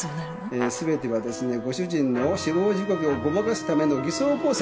えーすべてはですねご主人の死亡時刻をごまかすための偽装工作だったんです。